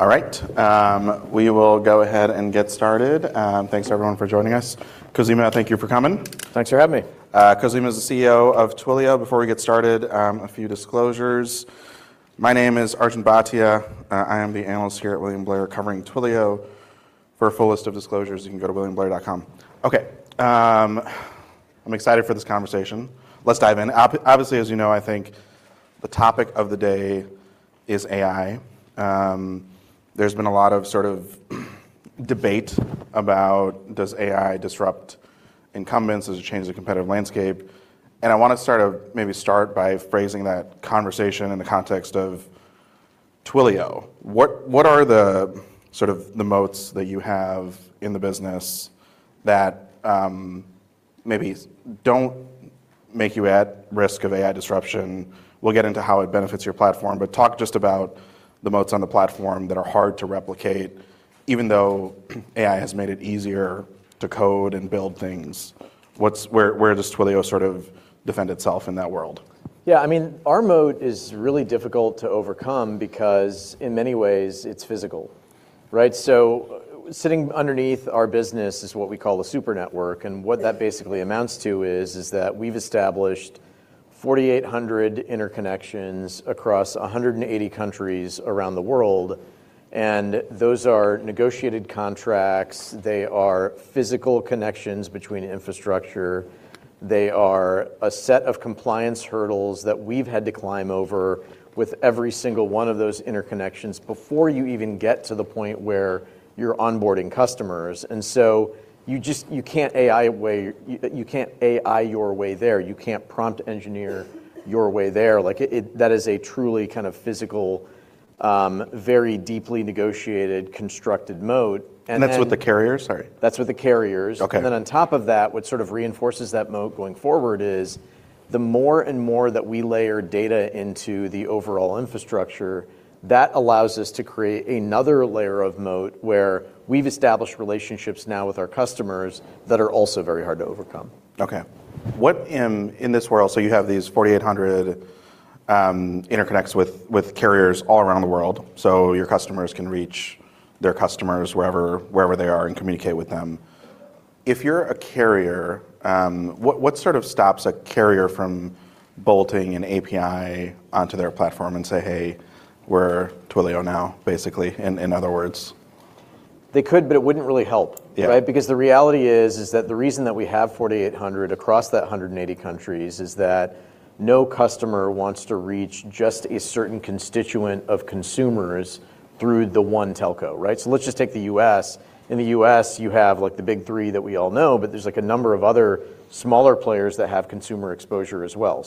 All right. We will go ahead and get started. Thanks everyone for joining us. Khozema, thank you for coming. Thanks for having me. Khozema is the CEO of Twilio. Before we get started, a few disclosures. My name is Arjun Bhatia. I am the analyst here at William Blair, covering Twilio. For a full list of disclosures, you can go to williamblair.com. Okay. I'm excited for this conversation. Let's dive in. Obviously, as you know, I think the topic of the day is AI. There's been a lot of debate about does AI disrupt incumbents? Does it change the competitive landscape? I want to maybe start by phrasing that conversation in the context of Twilio. What are the moats that you have in the business that maybe don't make you at risk of AI disruption? We'll get into how it benefits your platform, but talk just about the moats on the platform that are hard to replicate, even though AI has made it easier to code and build things. Where does Twilio defend itself in that world? Yeah, our moat is really difficult to overcome because in many ways, it's physical. Right? Sitting underneath our business is what we call the Super Network. What that basically amounts to is that we've established 4,800 interconnections across 180 countries around the world, and those are negotiated contracts. They are physical connections between infrastructure. They are a set of compliance hurdles that we've had to climb over with every single one of those interconnections before you even get to the point where you're onboarding customers. You can't AI your way there, you can't prompt engineer your way there. Like that is a truly physical, very deeply negotiated, constructed moat. That's with the carriers? Sorry. That's with the carriers. Okay. On top of that, what sort of reinforces that moat going forward is the more and more that we layer data into the overall infrastructure, that allows us to create another layer of moat where we've established relationships now with our customers that are also very hard to overcome. Okay. In this world, you have these 4,800 interconnects with carriers all around the world. Your customers can reach their customers wherever they are and communicate with them. If you're a carrier, what sort of stops a carrier from bolting an API onto their platform and say, "Hey, we're Twilio now," basically, in other words? They could, but it wouldn't really help. Yeah. Right? The reality is that the reason that we have 4,800 across that 180 countries is that no customer wants to reach just a certain constituent of consumers through the one telco, right? Let's just take the U.S. In the U.S., you have the Big Three that we all know, but there's a number of other smaller players that have consumer exposure as well.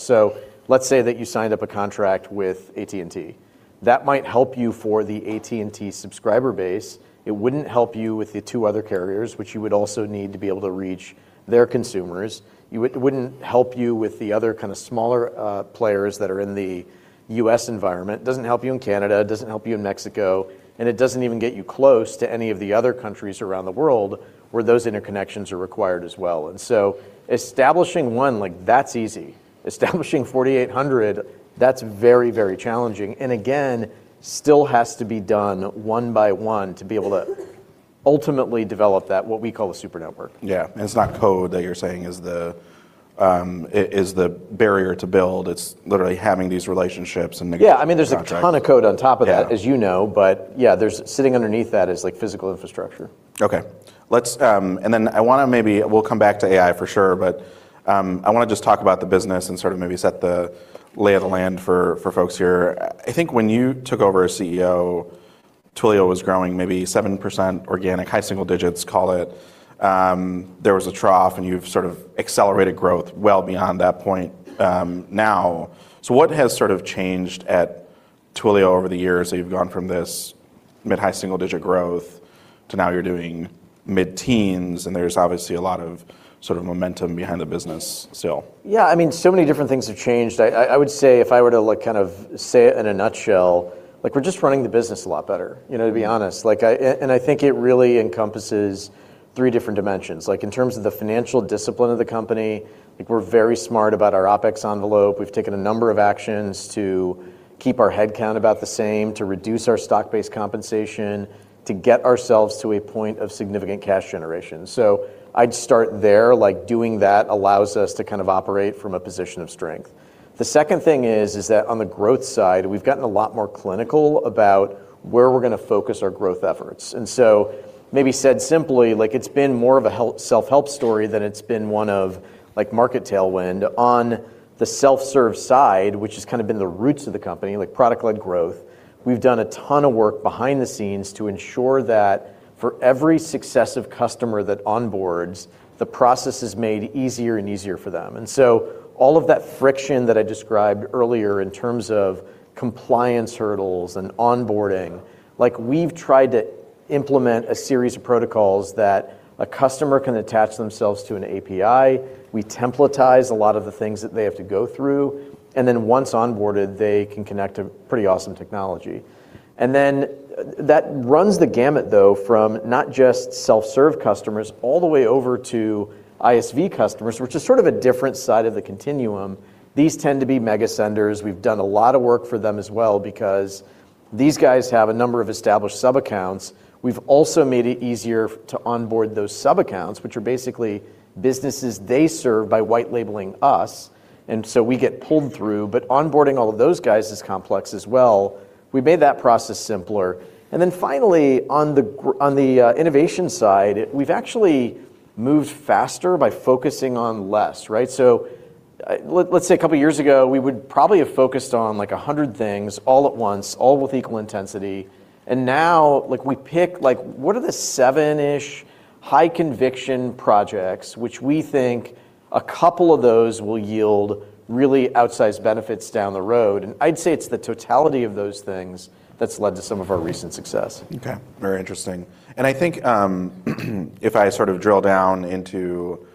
Let's say that you signed up a contract with AT&T. That might help you for the AT&T subscriber base. It wouldn't help you with the two other carriers, which you would also need to be able to reach their consumers. It wouldn't help you with the other kind of smaller players that are in the U.S. environment. It doesn't help you in Canada, it doesn't help you in Mexico, and it doesn't even get you close to any of the other countries around the world where those interconnections are required as well. Establishing one, that's easy. Establishing 4,800, that's very challenging. Again, still has to be done one by one to be able to ultimately develop that, what we call a Super Network. Yeah. It's not code that you're saying is the barrier to build. It's literally having these relationships and negotiating contracts. Yeah. There's a ton of code on top of that. Yeah as you know. Yeah, sitting underneath that is physical infrastructure. Okay. We'll come back to AI for sure, but I want to just talk about the business and maybe set the lay of the land for folks here. I think when you took over as CEO, Twilio was growing maybe 7% organic, high single digits, call it. There was a trough, and you've sort of accelerated growth well beyond that point now. What has changed at Twilio over the years that you've gone from this mid, high single digit growth, to now you're doing mid-teens, and there's obviously a lot of momentum behind the business still? Yeah, so many different things have changed. I would say if I were to say it in a nutshell, we're just running the business a lot better, to be honest. I think it really encompasses three different dimensions. In terms of the financial discipline of the company, we're very smart about our OPEX envelope. We've taken a number of actions to keep our headcount about the same, to reduce our stock-based compensation, to get ourselves to a point of significant cash generation. I'd start there. Doing that allows us to operate from a position of strength. The second thing is that on the growth side, we've gotten a lot more clinical about where we're going to focus our growth efforts. Maybe said simply, it's been more of a self-help story than it's been one of market tailwind. On the self-serve side, which has kind of been the roots of the company, like product-led growth, we've done a ton of work behind the scenes to ensure that for every successive customer that onboards, the process is made easier and easier for them. So all of that friction that I described earlier in terms of compliance hurdles and onboarding, we've tried to implement a series of protocols that a customer can attach themselves to an API. We templatize a lot of the things that they have to go through. Once onboarded, they can connect to pretty awesome technology. That runs the gamut though, from not just self-serve customers all the way over to ISV customers, which is sort of a different side of the continuum. These tend to be mega senders. We've done a lot of work for them as well because these guys have a number of established sub-accounts. We've also made it easier to onboard those sub-accounts, which are basically businesses they serve by white labeling us, and so we get pulled through, but onboarding all of those guys is complex as well. We made that process simpler. Finally, on the innovation side, we've actually moved faster by focusing on less. Let's say a couple of years ago, we would probably have focused on 100 things all at once, all with equal intensity. Now, we pick, what are the seven-ish high-conviction projects which we think a couple of those will yield really outsized benefits down the road? I'd say it's the totality of those things that's led to some of our recent success. Okay. Very interesting. I think, if I sort of drill down into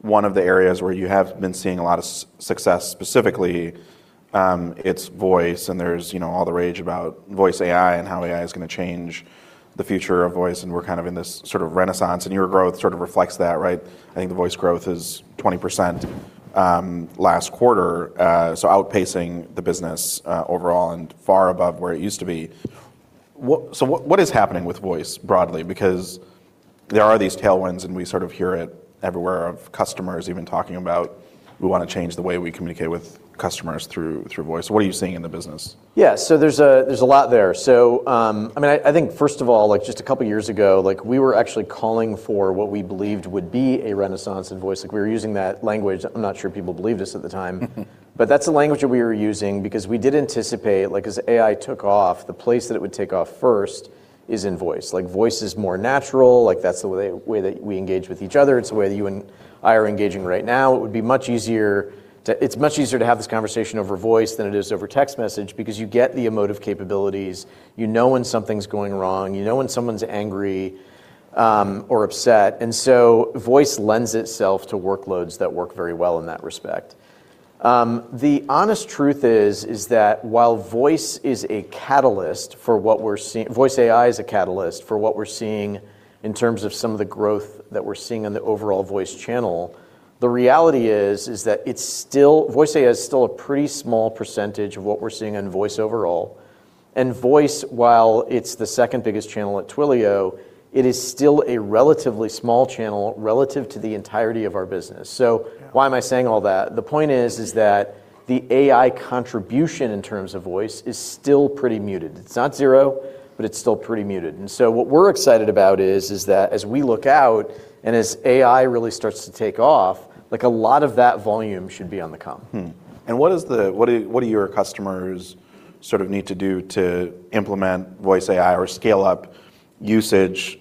one of the areas where you have been seeing a lot of success, specifically, it's voice, and there's all the rage about voice AI and how AI is going to change the future of voice, and we're kind of in this sort of renaissance, and your growth sort of reflects that, right? I think the voice growth is 20% last quarter, so outpacing the business overall and far above where it used to be. What is happening with voice broadly? Because there are these tailwinds, and we sort of hear it everywhere of customers even talking about, "We want to change the way we communicate with customers through voice." What are you seeing in the business? Yeah, there's a lot there. I think, first of all, just a couple of years ago, we were actually calling for what we believed would be a renaissance in voice. We were using that language. I'm not sure people believed us at the time. That's the language that we were using because we did anticipate, as AI took off, the place that it would take off first is in voice. Voice is more natural, that's the way that we engage with each other. It's the way that you and I are engaging right now. It's much easier to have this conversation over voice than it is over text message because you get the emotive capabilities. You know when something's going wrong. You know when someone's angry or upset. Voice lends itself to workloads that work very well in that respect. The honest truth is that while voice AI is a catalyst for what we're seeing in terms of some of the growth that we're seeing in the overall voice channel, the reality is that voice AI is still a pretty small percentage of what we're seeing in voice overall. Voice, while it's the second biggest channel at Twilio, it is still a relatively small channel relative to the entirety of our business. Yeah Why am I saying all that? The point is that the AI contribution in terms of voice is still pretty muted. It's not zero, but it's still pretty muted. What we're excited about is that, as we look out and as AI really starts to take off, a lot of that volume should be on the come. What do your customers sort of need to do to implement voice AI or scale up usage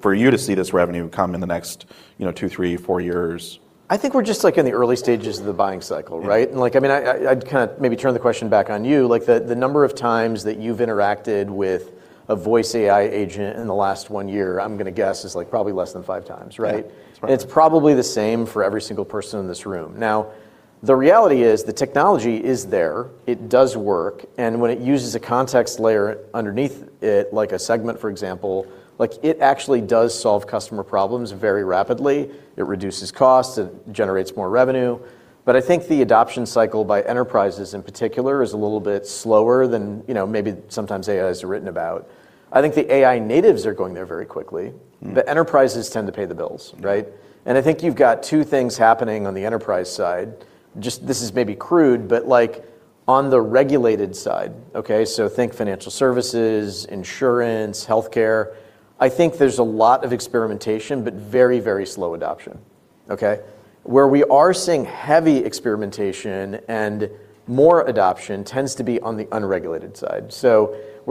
for you to see this revenue come in the next two, three, four years? I think we're just in the early stages of the buying cycle, right? Yeah. I'd kind of maybe turn the question back on you. The number of times that you've interacted with a voice AI agent in the last one year, I'm going to guess, is probably less than five times, right? Yeah. That's right. It's probably the same for every single person in this room. The reality is the technology is there, it does work, and when it uses a context layer underneath it, like a Segment, for example, it actually does solve customer problems very rapidly. It reduces costs, it generates more revenue. I think the adoption cycle by enterprises, in particular, is a little bit slower than maybe sometimes AI is written about. I think the AI natives are going there very quickly. Enterprises tend to pay the bills, right? Yeah. I think you've got two things happening on the enterprise side. This is maybe crude, but on the regulated side, okay, so think financial services, insurance, healthcare, I think there's a lot of experimentation, but very, very slow adoption. Okay. Where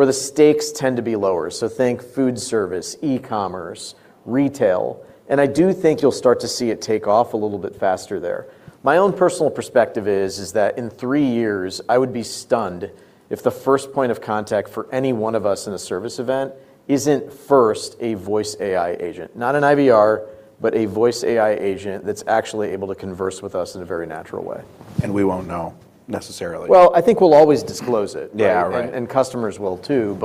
the stakes tend to be lower, so think food service, e-commerce, retail, and I do think you'll start to see it take off a little bit faster there. My own personal perspective is that in three years, I would be stunned if the first point of contact for any one of us in a service event isn't first a voice AI agent. Not an IVR, but a voice AI agent that's actually able to converse with us in a very natural way. We won't know necessarily. Well, I think we'll always disclose it. Yeah. Right. Customers will, too.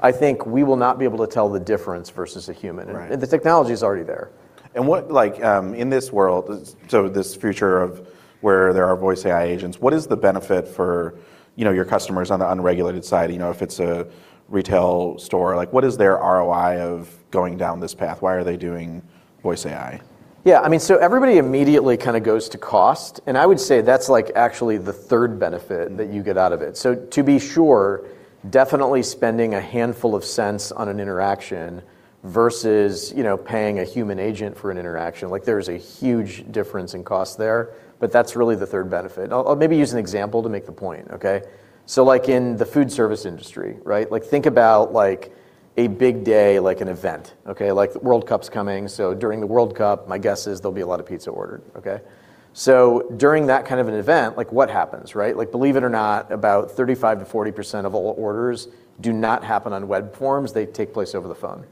I think we will not be able to tell the difference versus a human. Right. The technology's already there. In this world, this future of where there are voice AI agents, what is the benefit for your customers on the unregulated side? If it's a retail store, what is their ROI of going down this path? Why are they doing voice AI? Yeah. Everybody immediately kind of goes to cost, and I would say that's actually the third benefit that you get out of it. To be sure, definitely spending a handful of cents on an interaction versus paying a human agent for an interaction, there is a huge difference in cost there, but that's really the third benefit. I'll maybe use an example to make the point, okay? In the food service industry. Think about a big day, like an event. The World Cup's coming, so during the World Cup, my guess is there'll be a lot of pizza ordered. During that kind of an event, what happens? Believe it or not, about 35% to 40% of all orders do not happen on web forms. They take place over the phone.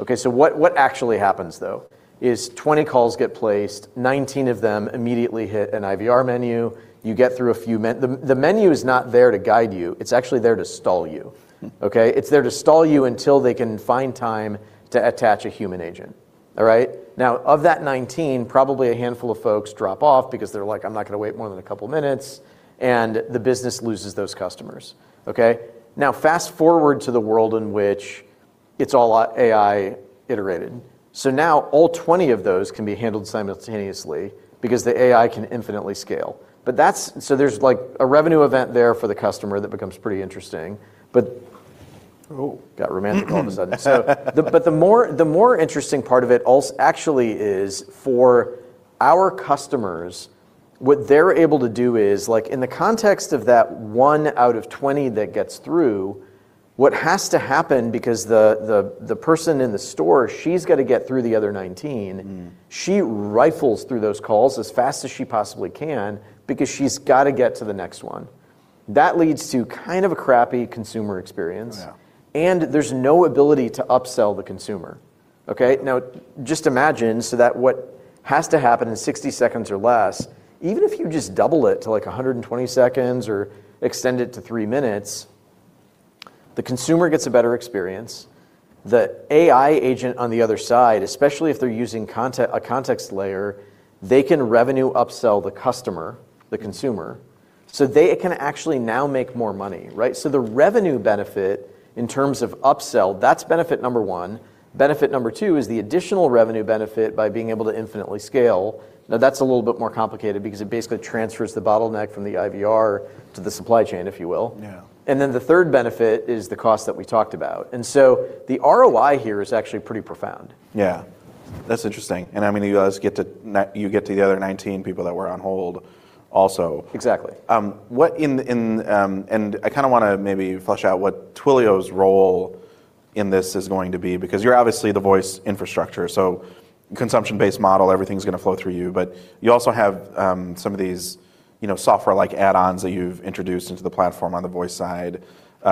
Okay, what actually happens, though, is 20 calls get placed, 19 of them immediately hit an IVR menu. You get through a few. The menu is not there to guide you. It's actually there to stall you. Okay. It's there to stall you until they can find time to attach a human agent. All right. Now, of that 19, probably a handful of folks drop off because they're like, "I'm not going to wait more than a couple minutes," and the business loses those customers. Okay. Now, fast-forward to the world in which it's all AI iterated. Now, all 20 of those can be handled simultaneously because the AI can infinitely scale. There's a revenue event there for the customer that becomes pretty interesting. Oh, got romantic all of a sudden. The more interesting part of it, actually, is for our customers, what they're able to do is, in the context of that one out of 20 that gets through, what has to happen, because the person in the store, she's got to get through the other 19. She rifles through those calls as fast as she possibly can because she's got to get to the next one. That leads to kind of a crappy consumer experience. Yeah. There's no ability to upsell the consumer. Okay. Just imagine, what has to happen in 60 seconds or less, even if you just double it to 120 seconds or extend it to three minutes, the consumer gets a better experience. The AI agent on the other side, especially if they're using a context layer, they can revenue upsell the customer, the consumer, they can actually now make more money. Right. The revenue benefit in terms of upsell, that's benefit number one. Benefit number two is the additional revenue benefit by being able to infinitely scale. That's a little bit more complicated because it basically transfers the bottleneck from the IVR to the supply chain, if you will. Yeah. The third benefit is the cost that we talked about. The ROI here is actually pretty profound. Yeah. That's interesting, and you get to the other 19 people that were on hold also. Exactly. I kind of want to maybe flesh out what Twilio's role in this is going to be, because you're obviously the voice infrastructure, consumption-based model, everything's going to flow through you. You also have some of these software-like add-ons that you've introduced into the platform on the voice side,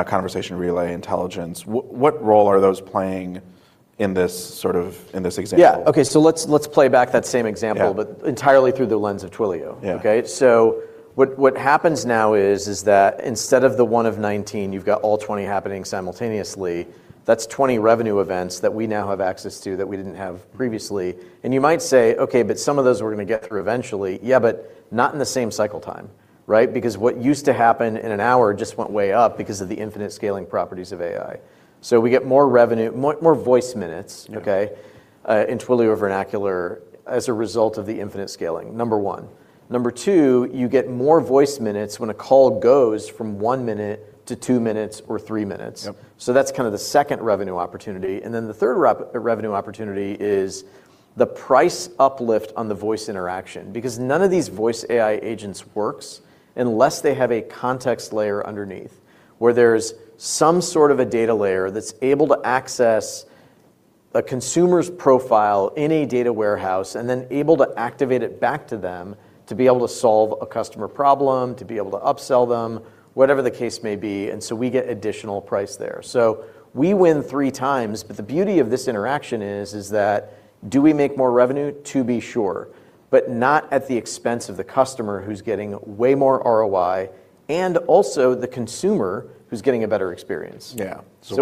Conversation Relay Intelligence. What role are those playing in this example? Yeah. Okay, let's play back that same example. Yeah entirely through the lens of Twilio. Yeah. Okay. What happens now is that instead of the one of 19, you've got all 20 happening simultaneously. That's 20 revenue events that we now have access to that we didn't have previously. You might say, "Okay, but some of those we're going to get through eventually." Yeah, not in the same cycle time. Right? What used to happen in an hour just went way up because of the infinite scaling properties of AI. We get more voice minutes. Okay in Twilio vernacular, as a result of the infinite scaling, number one. Number two, you get more voice minutes when a call goes from one minute to two minutes or three minutes. Yep. That's the second revenue opportunity. Then the third revenue opportunity is the price uplift on the voice interaction, because none of these voice AI agents works unless they have a context layer underneath, where there's some sort of a data layer that's able to access a consumer's profile in a data warehouse and then able to activate it back to them to be able to solve a customer problem, to be able to upsell them, whatever the case may be. We get additional price there. We win three times. The beauty of this interaction is that do we make more revenue? To be sure, but not at the expense of the customer who's getting way more ROI and also the consumer who's getting a better experience. Yeah.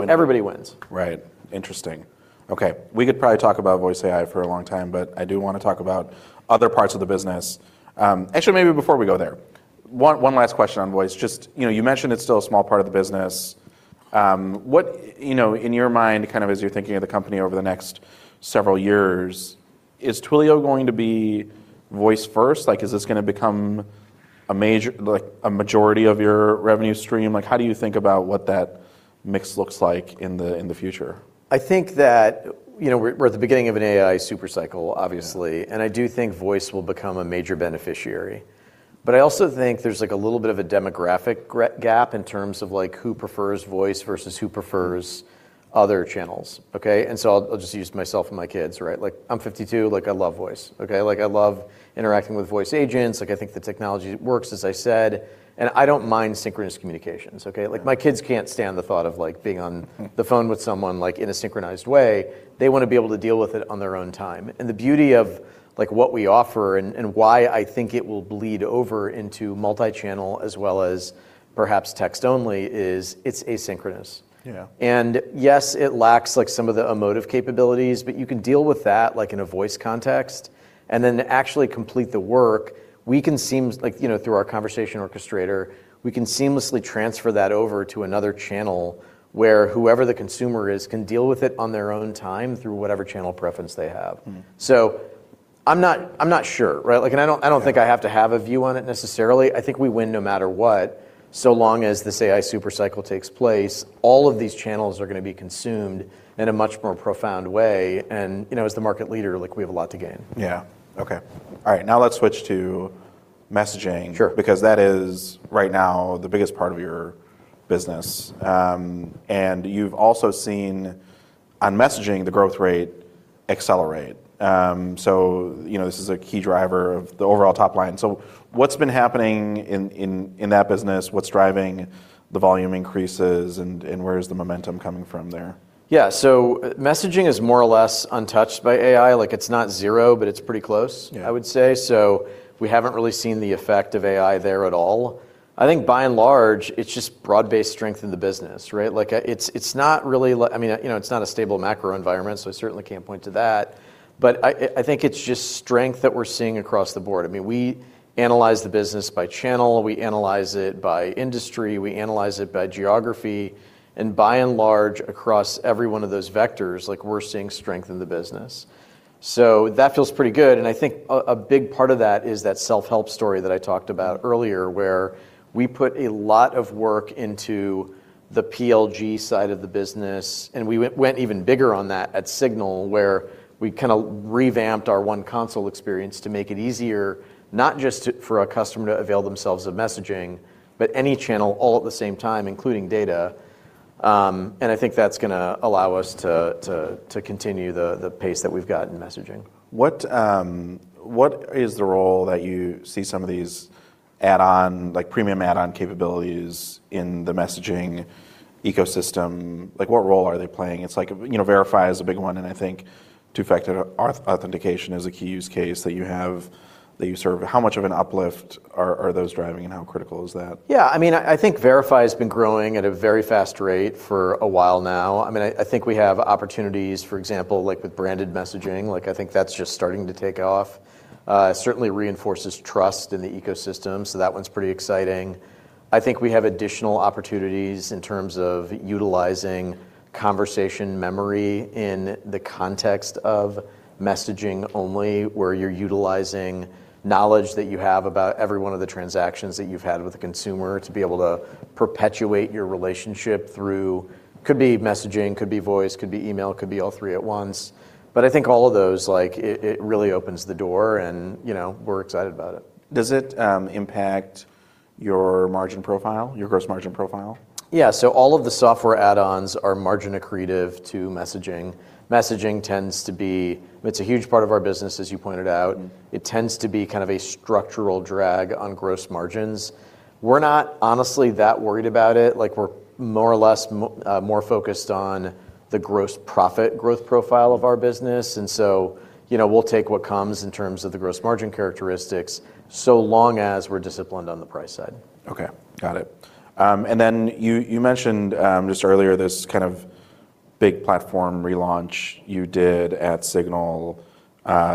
Everybody wins. Right. Interesting. Okay. We could probably talk about voice AI for a long time, but I do want to talk about other parts of the business. Actually, maybe before we go there, one last question on voice. Just, you mentioned it's still a small part of the business. In your mind, as you're thinking of the company over the next several years, is Twilio going to be voice first? Is this going to become a majority of your revenue stream? How do you think about what that mix looks like in the future? I think that we're at the beginning of an AI super cycle, obviously. Yeah. I do think voice will become a major beneficiary. I also think there's a little bit of a demographic gap in terms of who prefers voice versus who prefers other channels. Okay? I'll just use myself and my kids, right? I'm 52, I love voice. Okay? I love interacting with voice agents. I think the technology works, as I said, and I don't mind synchronous communications. Okay? Yeah. My kids can't stand the thought of being on the phone with someone in a synchronized way. They want to be able to deal with it on their own time. The beauty of what we offer and why I think it will bleed over into multichannel as well as perhaps text only is it's asynchronous. Yeah. Yes, it lacks some of the emotive capabilities, but you can deal with that in a voice context and then actually complete the work. Through our Conversation Orchestrator, we can seamlessly transfer that over to another channel where whoever the consumer is can deal with it on their own time through whatever channel preference they have. I'm not sure, right? I don't think I have to have a view on it necessarily. I think we win no matter what. Long as this AI super cycle takes place, all of these channels are going to be consumed in a much more profound way. As the market leader, we have a lot to gain. Yeah. Okay. All right, now let's switch to messaging. Sure. That is, right now, the biggest part of your business. You've also seen on messaging the growth rate accelerate. This is a key driver of the overall top line. What's been happening in that business? What's driving the volume increases and where is the momentum coming from there? Yeah. Messaging is more or less untouched by AI. Like it's not zero, but it's pretty close. Yeah I would say. We haven't really seen the effect of AI there at all. I think by and large, it's just broad-based strength in the business, right? It's not a stable macro environment, so I certainly can't point to that, but I think it's just strength that we're seeing across the board. We analyze the business by channel, we analyze it by industry, we analyze it by geography, and by and large, across every one of those vectors, we're seeing strength in the business. That feels pretty good. I think a big part of that is that self-help story that I talked about earlier, where we put a lot of work into the PLG side of the business. We went even bigger on that at Signal, where we kind of revamped our one console experience to make it easier, not just for a customer to avail themselves of messaging, but any channel all at the same time, including data. I think that's going to allow us to continue the pace that we've got in messaging. What is the role that you see some of these add-on, like premium add-on capabilities in the messaging ecosystem? What role are they playing? It's like Verify is a big one, and I think two-factor authentication is a key use case that you have that you serve. How much of an uplift are those driving, and how critical is that? I think Verify has been growing at a very fast rate for a while now. I think we have opportunities, for example, like with branded messaging, like I think that's just starting to take off. Certainly reinforces trust in the ecosystem. That one's pretty exciting. I think we have additional opportunities in terms of utilizing conversation memory in the context of messaging only, where you're utilizing knowledge that you have about every one of the transactions that you've had with a consumer to be able to perpetuate your relationship through, could be messaging, could be voice, could be email, could be all three at once. I think all of those, like it really opens the door and we're excited about it. Does it impact your margin profile, your gross margin profile? Yeah. All of the software add-ons are margin accretive to messaging. Messaging tends to be, it's a huge part of our business, as you pointed out. It tends to be kind of a structural drag on gross margins. We're not honestly that worried about it, like we're more or less, more focused on the gross profit growth profile of our business. We'll take what comes in terms of the gross margin characteristics, so long as we're disciplined on the price side. Okay. Got it. You mentioned, just earlier, this kind of big platform relaunch you did at Signal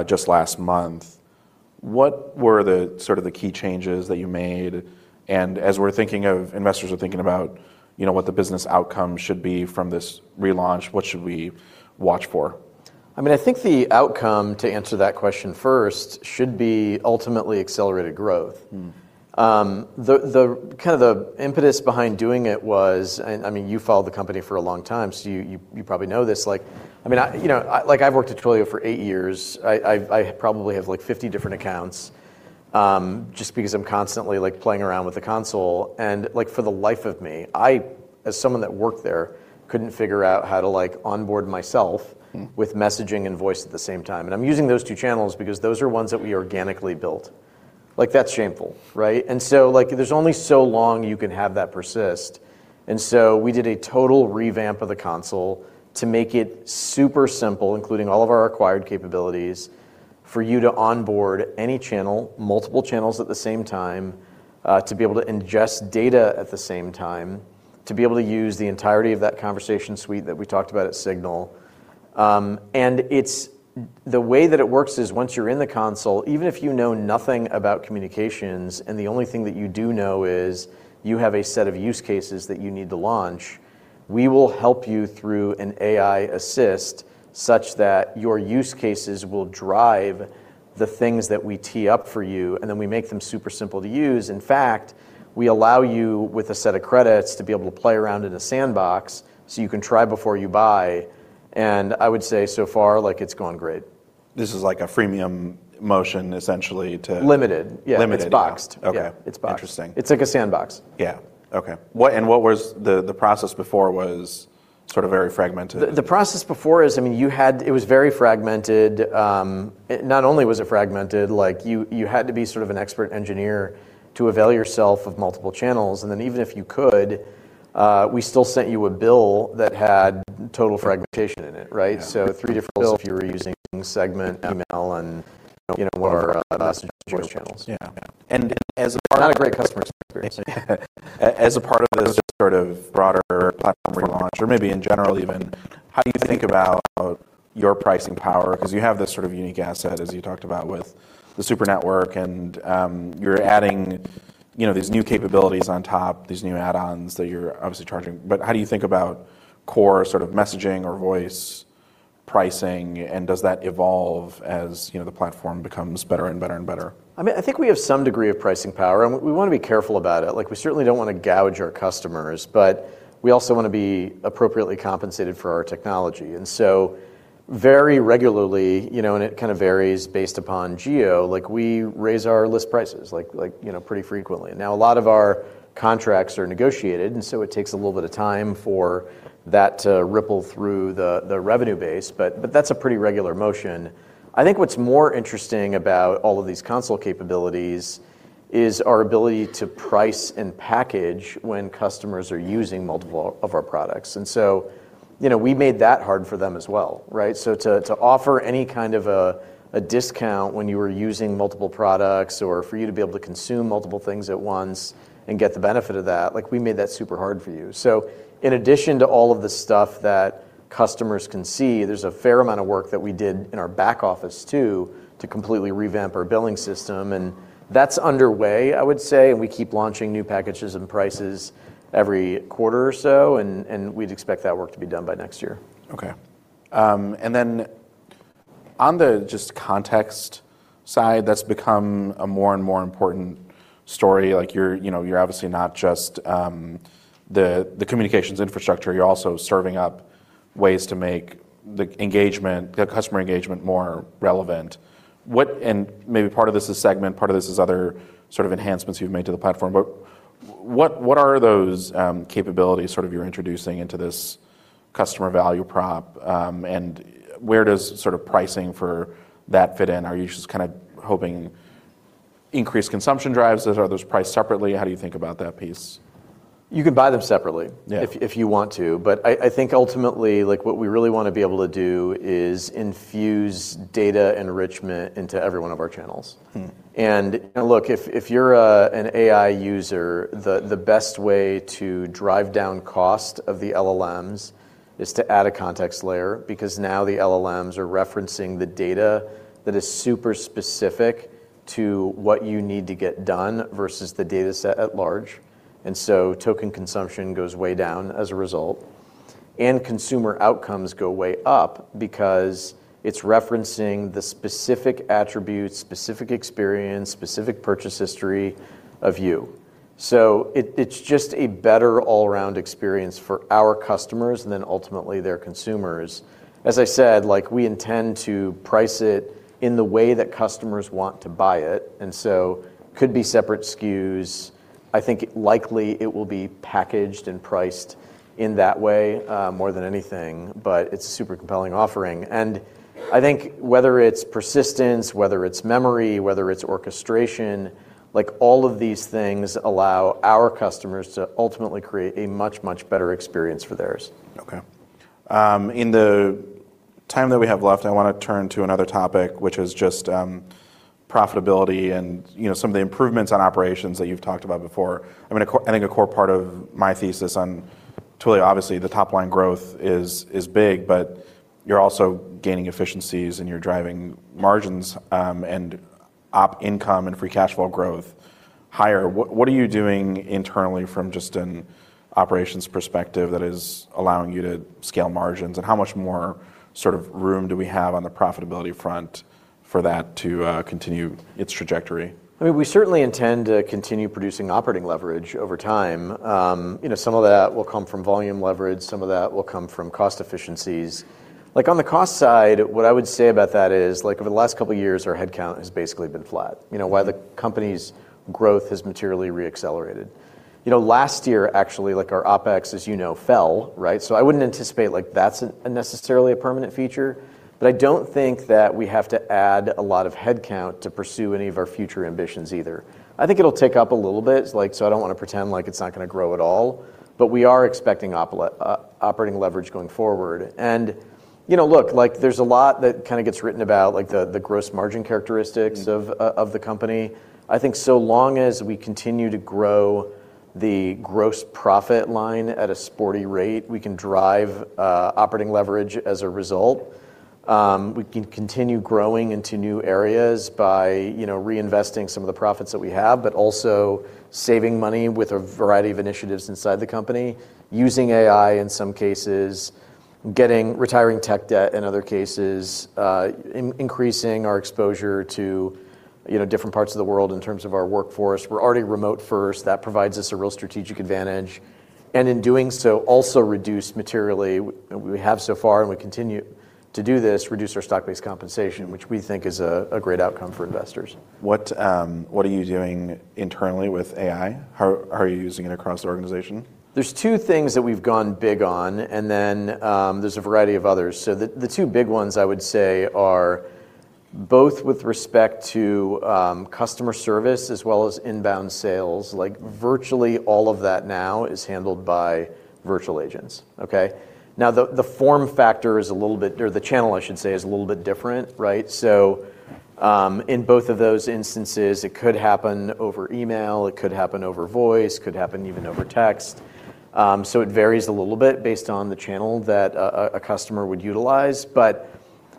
just last month. What were the key changes that you made? As investors are thinking about what the business outcome should be from this relaunch, what should we watch for? I think the outcome, to answer that question first, should be ultimately accelerated growth. The impetus behind doing it was, you've followed the company for a long time, so you probably know this. I've worked at Twilio for eight years. I probably have 50 different accounts, just because I'm constantly playing around with the console. For the life of me, I, as someone that worked there, couldn't figure out how to onboard myself. with messaging and voice at the same time. I'm using those two channels because those are ones that we organically built. Like that's shameful, right? There's only so long you can have that persist. We did a total revamp of the console to make it super simple, including all of our acquired capabilities, for you to onboard any channel, multiple channels at the same time, to be able to ingest data at the same time, to be able to use the entirety of that conversation suite that we talked about at Signal. The way that it works is once you're in the console, even if you know nothing about communications, and the only thing that you do know is you have a set of use cases that you need to launch, we will help you through an AI assist, such that your use cases will drive the things that we tee up for you, and then we make them super simple to use. In fact, we allow you, with a set of credits, to be able to play around in a sandbox, so you can try before you buy. I would say so far, it's gone great. This is like a freemium motion, essentially. Limited. Limited. Yeah. It's boxed. Okay. Yeah, it's boxed. Interesting. It's like a sandbox. Yeah. Okay. What was the process before was sort of very fragmented. The process before is, it was very fragmented. Not only was it fragmented, you had to be sort of an expert engineer to avail yourself of multiple channels. Even if you could, we still sent you a bill that had total fragmentation in it, right? Yeah. Three different bills. Different bills. if you were using Segment. Yeah email, and one of our message voice channels. Yeah. Yeah. And as a part- Not a great customer experience. As a part of this sort of broader platform relaunch, or maybe in general even, how do you think about your pricing power? You have this sort of unique asset, as you talked about with the Super Network, and you're adding these new capabilities on top, these new add-ons that you're obviously charging. How do you think about core sort of messaging or voice pricing, and does that evolve as the platform becomes better and better and better? I think we have some degree of pricing power, and we want to be careful about it. We certainly don't want to gouge our customers, but we also want to be appropriately compensated for our technology. Very regularly, and it kind of varies based upon geo, like we raise our list prices pretty frequently. Now a lot of our contracts are negotiated, and so it takes a little bit of time for that to ripple through the revenue base, but that's a pretty regular motion. I think what's more interesting about all of these console capabilities is our ability to price and package when customers are using multiple of our products. We made that hard for them as well, right? To offer any kind of a discount when you were using multiple products, or for you to be able to consume multiple things at once and get the benefit of that, we made that super hard for you. In addition to all of the stuff that customers can see, there's a fair amount of work that we did in our back office, too, to completely revamp our billing system. That's underway, I would say. We keep launching new packages and prices every quarter or so, and we'd expect that work to be done by next year. On the just context side, that's become a more and more important story. You're obviously not just the communications infrastructure, you're also serving up ways to make the customer engagement more relevant. Maybe part of this is Segment, part of this is other sort of enhancements you've made to the platform, but what are those capabilities sort of you're introducing into this customer value prop? Where does sort of pricing for that fit in? Are you just kind of hoping increased consumption drives those? Are those priced separately? How do you think about that piece? You can buy them separately. Yeah if you want to. I think ultimately, what we really want to be able to do is infuse data enrichment into every one of our channels. Look, if you're an AI user, the best way to drive down cost of the LLMs is to add a context layer, because now the LLMs are referencing the data that is super specific to what you need to get done versus the data set at large. Token consumption goes way down as a result, and consumer outcomes go way up because it's referencing the specific attribute, specific experience, specific purchase history of you. It's just a better all around experience for our customers and then ultimately their consumers. As I said, we intend to price it in the way that customers want to buy it, could be separate SKUs. I think likely it will be packaged and priced in that way more than anything. It's a super compelling offering, and I think whether it's persistence, whether it's memory, whether it's orchestration, all of these things allow our customers to ultimately create a much, much better experience for theirs. Okay. In the time that we have left, I want to turn to another topic, which is just profitability and some of the improvements on operations that you've talked about before. I think a core part of my thesis on Twilio, obviously the top line growth is big, but you're also gaining efficiencies, and you're driving margins, and op income and free cash flow growth higher. What are you doing internally from just an operations perspective that is allowing you to scale margins, and how much more sort of room do we have on the profitability front for that to continue its trajectory? We certainly intend to continue producing operating leverage over time. Some of that will come from volume leverage, some of that will come from cost efficiencies. On the cost side, what I would say about that is over the last couple of years, our headcount has basically been flat. While the company's growth has materially re-accelerated. Last year, actually, our OPEX, as you know, fell, right? I wouldn't anticipate that's necessarily a permanent feature, but I don't think that we have to add a lot of headcount to pursue any of our future ambitions either. I think it'll tick up a little bit. I don't want to pretend like it's not going to grow at all. We are expecting operating leverage going forward. Look, there's a lot that kind of gets written about the gross margin characteristics of the company. I think so long as we continue to grow the gross profit line at a sporty rate, we can drive operating leverage as a result. We can continue growing into new areas by reinvesting some of the profits that we have, but also saving money with a variety of initiatives inside the company, using AI in some cases, retiring tech debt in other cases, increasing our exposure to different parts of the world in terms of our workforce. We're already remote first. That provides us a real strategic advantage. In doing so, also reduce materially, we have so far and we continue to do this, reduce our stock-based compensation, which we think is a great outcome for investors. What are you doing internally with AI? How are you using it across the organization? There's two things that we've gone big on. There's a variety of others. The two big ones I would say are both with respect to customer service as well as inbound sales. Virtually all of that now is handled by virtual agents. Okay? Now, the form factor is a little bit, or the channel I should say, is a little bit different, right? In both of those instances, it could happen over email, it could happen over voice, could happen even over text. It varies a little bit based on the channel that a customer would utilize.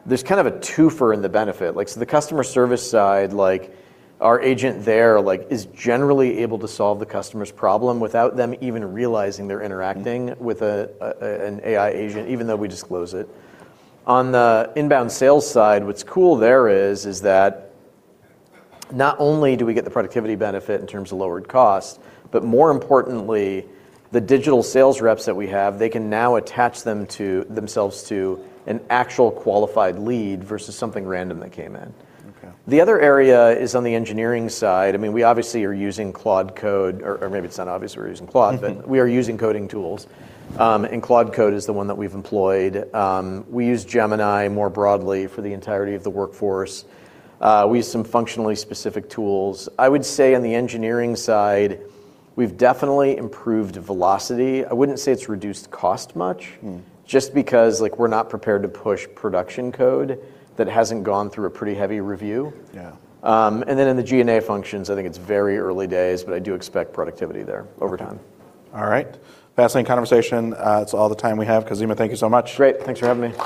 There's kind of a twofer in the benefit. The customer service side, our agent there is generally able to solve the customer's problem without them even realizing they're interacting with an AI agent, even though we disclose it. On the inbound sales side, what's cool there is that not only do we get the productivity benefit in terms of lowered cost, but more importantly, the digital sales reps that we have, they can now attach themselves to an actual qualified lead versus something random that came in. Okay. The other area is on the engineering side. We obviously are using Claude Code, or maybe it's not obvious we're using Claude but we are using coding tools. Claude Code is the one that we've employed. We use Gemini more broadly for the entirety of the workforce. We use some functionally specific tools. I would say on the engineering side, we've definitely improved velocity. I wouldn't say it's reduced cost much. just because we're not prepared to push production code that hasn't gone through a pretty heavy review. Yeah. Then in the G&A functions, I think it's very early days, but I do expect productivity there over time. All right. Fascinating conversation. That's all the time we have. Khozema, thank you so much. Great. Thanks for having me.